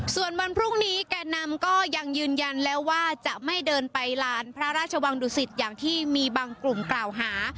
ส่วนวันพรุ่งนี้แก่นำก็ยังยืนยันแล้วว่าจะไม่เดินไปลานพระราชวังดุสิตอย่างที่มีบางกลุ่มกล่าวหา